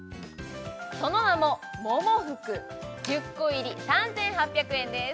その名も桃ふく１０個入り３８００円です